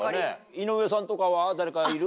井上さんとかは誰かいる？